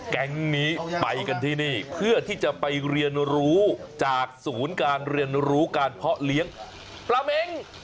แก๊งนี้ไปกันที่นี่เพื่อที่จะไปเรียนรู้จากศูนย์การเรียนรู้การเพาะเลี้ยงปลาเม้ง